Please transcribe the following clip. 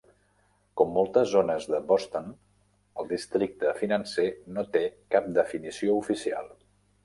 Com moltes zones de Boston, el districte financer no té cap definició oficial.